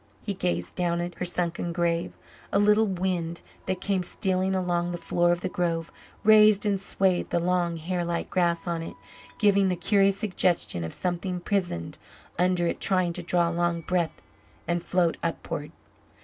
He gazed down at her sunken grave; a little wind, that came stealing along the floor of the grove, raised and swayed the long, hair like grass on it, giving the curious suggestion of something prisoned under it trying to draw a long breath and float upward.